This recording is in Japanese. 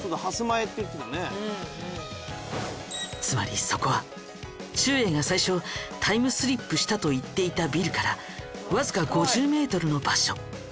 つまりそこはちゅうえいが最初タイムスリップしたと言っていたビルからわずか５０ｍの場所。